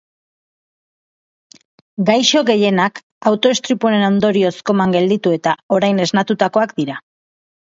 Gaixo gehienak auto istripuen ondorioz koman gelditu eta orain esnatutakoak dira.